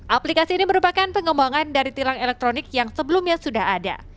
aplikasi ini merupakan pengembangan dari tilang elektronik yang sebelumnya sudah ada